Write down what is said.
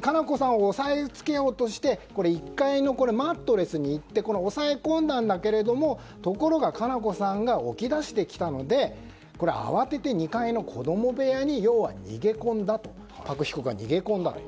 佳菜子さんを押さえつけようとして１階のマットレスに行って押さえ込んだんだけれどもところが、佳菜子さんが起きだしてきたので慌てて２階の子供部屋にパク被告は逃げ込んだと。